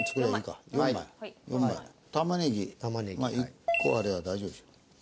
１個ありゃ大丈夫でしょ。